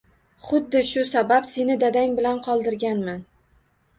Xuddi shu sabab seni dadang bilan qoldirganman